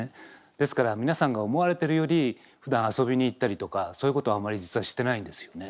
ですから皆さんが思われてるよりふだん遊びに行ったりとかそういうことはあまり実はしてないんですよね。